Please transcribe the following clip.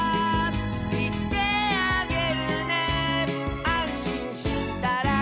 「いってあげるね」「あんしんしたら」